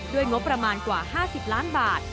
งบประมาณกว่า๕๐ล้านบาท